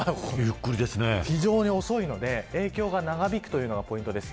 非常に遅いので影響が長引くのがポイントです。